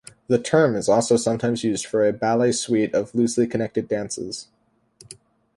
The term is also sometimes used for a ballet suite of loosely connected dances.